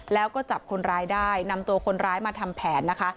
แล้วก็จับคนร้ายได้นำตัวคนร้ายมาทำแผนนะคะ